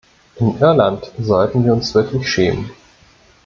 In Irland sollten wir uns wirklich schämen.